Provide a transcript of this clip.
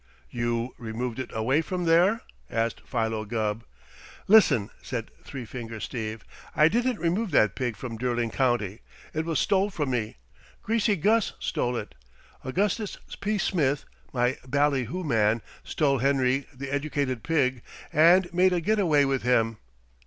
"You removed it away from there?" asked Philo Gubb. "Listen," said Three Finger Steve. "I didn't remove that pig from Derling County. It was stole from me. Greasy Gus stole it. Augustus P. Smith, my bally hoo man, stole Henry, the Educated Pig, and made a get away with him.